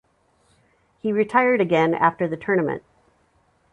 He retired again after the tournament.